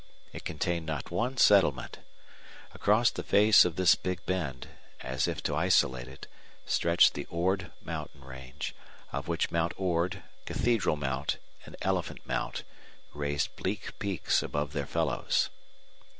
It contained not one settlement. Across the face of this Big Bend, as if to isolate it, stretched the Ord mountain range, of which Mount Ord, Cathedral Mount, and Elephant Mount raised bleak peaks above their fellows.